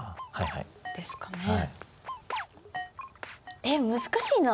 えっ難しいな。